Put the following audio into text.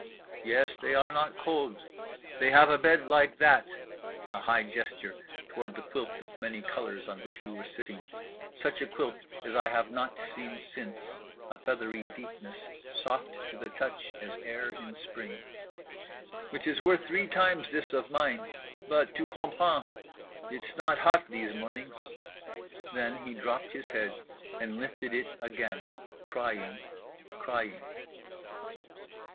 "Yes—they are not cold; they have a bed like that" (a high gesture toward the quilt of many colours on which we were sitting, such a quilt as I have not seen since; a feathery deepness soft to the touch as air in Spring), "which is worth three times this of mine—but tu comprends, it's not hot these mornings"—then he dropped his head, and lifted it again, crying, crying.